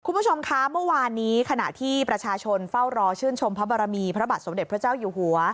คุณผู้ชมคะเมื่อวานนี้ขณะที่ประชาชนเฝ้ารอชื่นชมพระบารมีพระบาทสมเด็จพระเจ้าอยู่หัว